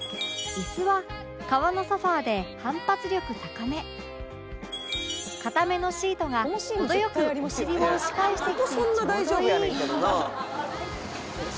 椅子は革のソファで反発力高め硬めのシートが程良くお尻を押し返してきてちょうどいい